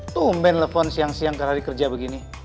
tumben telfon siang siang ke hari kerja begini